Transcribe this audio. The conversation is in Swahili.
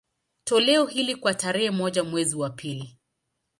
Toleo hili, kwa tarehe moja mwezi wa pili